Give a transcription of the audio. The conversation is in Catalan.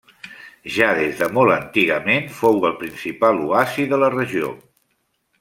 Ja des de molt antigament fou el principal oasi de la regió.